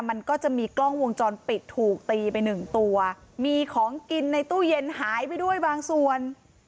มันก็จะมีกล้องวงจรปิดถูกตีไปหนึ่งตัวมีของกินในตู้เย็นหายไปด้วยบางส่วน